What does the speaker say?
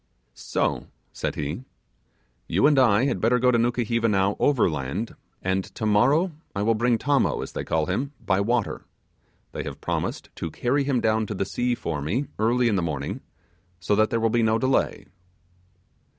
'So,' said he, 'you and I had better go to Nukuheva now overland, and tomorrow I will bring Tommo, as they call him, by water; they have promised to carry him down to the sea for me early in the morning, so that there will be no delay.